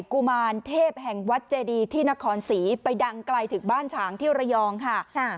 กุมารเทพแห่งวัดเจดีที่นครศรีไปดังไกลถึงบ้านฉางที่ระยองค่ะ